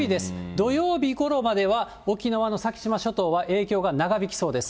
土曜日ごろまでは、沖縄の先島諸島は影響が長引きそうです。